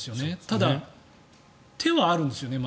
ただ、手はあるんですよね。